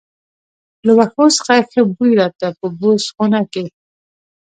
له وښو څخه ښه بوی راته، په بوس خونه کې.